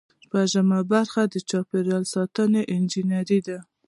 شپږمه برخه د چاپیریال ساتنې انجنیری ده.